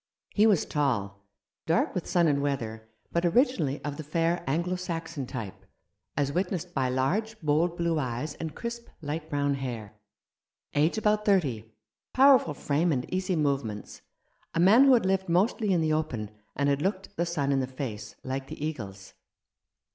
He was tall, dark with sun and weather, but originally of the fair Anglo Saxon type, as witnessed I B Rough Justice. by large, bold blue eyes and crisp, light brown hair ; age about thirty, powerful frame, and easy movements — a man who had lived mostly in the open, and had looked the sun in the face, like the eagles.